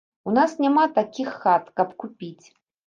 У нас няма такіх хат, каб купіць.